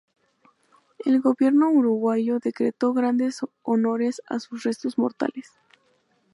El Gobierno uruguayo decretó grandes honores a sus restos mortales.